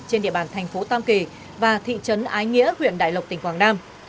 trên địa bàn tp tam kỳ và thị trấn ái nghĩa huyện đại lộc tỉnh quảng nam